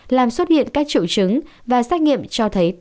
làm xuất hiện các triệu chứng và xét nghiệm cho thấy